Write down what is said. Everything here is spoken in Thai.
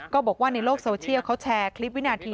ก็บอกว่าในโลกโซเชียลเขาแชร์คลิปวินาที